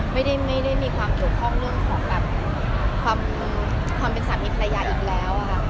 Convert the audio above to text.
ไม่ได้มีความเกี่ยวข้องเรื่องของแบบความเป็นสามีภรรยาอีกแล้วค่ะ